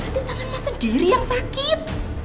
di tangan mas sendiri yang sakit